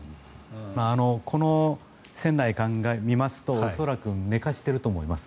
この船内を見ますと恐らく寝かせていると思います。